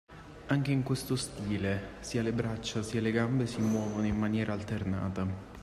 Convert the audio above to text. Anche in questo stile sia le braccia sia le gambe si muovono in maniera alternata.